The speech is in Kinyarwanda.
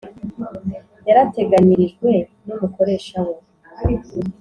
yarateganyirijwe n umukoresha we